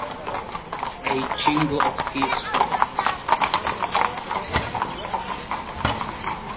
A jingle of keys followed.